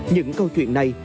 những câu chuyện này